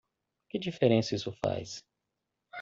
Que diferença isso faz?